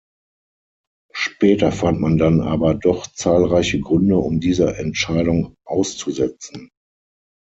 Später fand man dann aber doch zahlreiche Gründe, um diese Entscheidung auszusetzen.